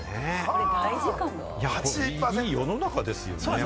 いい世の中ですよね。